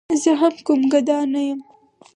زه هم کوم ګدا نه یم.